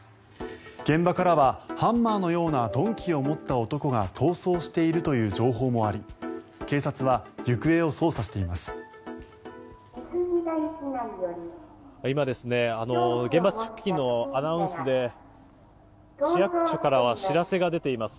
現場からはハンマーのような鈍器を持った男が逃走しているという情報もあり警察は行方を捜査しています。